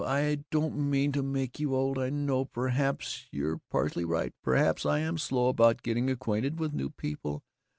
I don't mean to make you old, I know. Perhaps you're partly right. Perhaps I am slow about getting acquainted with new people.